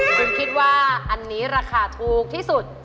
คุณคิดว่าอันนี้ราคาถูกที่สุด